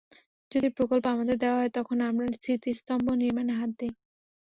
যদি প্রকল্প আমাদের দেওয়া হয়, তখন আমরা স্মৃতিস্তম্ভ নির্মাণে হাত দিই।